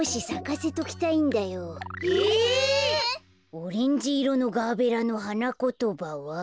オレンジいろのガーベラのはなことばは。